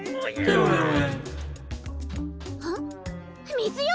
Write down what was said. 水よ！